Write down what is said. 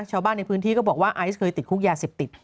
ชาวบ้านในพื้นที่ก็บอกว่าไอซ์เคยติดคุกยาเสพติด